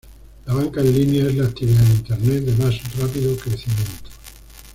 La banca en línea es la actividad en Internet de más rápido crecimiento.